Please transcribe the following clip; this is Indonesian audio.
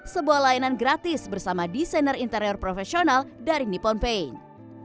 sebuah layanan gratis bersama desainer interior profesional dari nippon paint